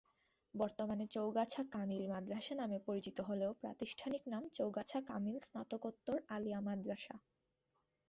বর্তমানে চৌগাছা কামিল মাদ্রাসা নামে পরিচিত হলেও প্রাতিষ্ঠানিক নাম চৌগাছা কামিল স্নাতকোত্তর আলিয়া মাদ্রাসা।